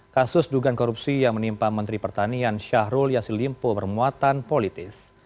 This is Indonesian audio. kasus dugaan korupsi yang menimpa menteri pertanian syahrul yassin limpo bermuatan politis